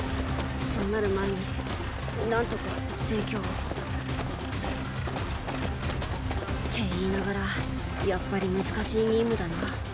そうなる前に何とか成を。って言いながらやっぱり難しい任務だな。